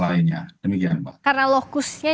lainnya demikian mbak karena lokusnya